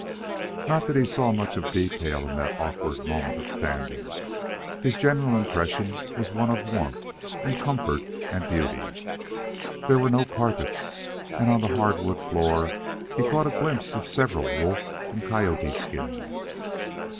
Not that he saw much of detail in that awkward moment of standing. His general impression was one of warmth and comfort and beauty. There were no carpets, and on the hardwood floor he caught a glimpse of several wolf and coyote skins.